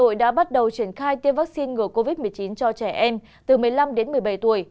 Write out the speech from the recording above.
hà nội đã bắt đầu triển khai tiêm vaccine ngừa covid một mươi chín cho trẻ em từ một mươi năm đến một mươi bảy tuổi